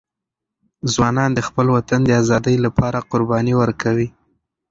ځوانان د خپل وطن د ازادۍ لپاره قرباني ورکوي.